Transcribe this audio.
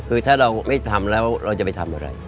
คือถ้าเราไม่ทำแล้วเราจะไปทำอะไร